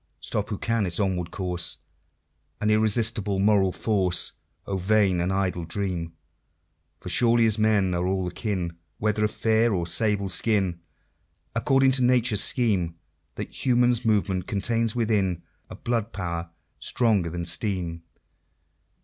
Stop who can its onward course And irresistible moral force; O vain and idle dream! For surely as men are all akin, Whether of fair or sable skin, According to Nature's scheme, That Human Movement contains within A Blood Power stronger than Steam.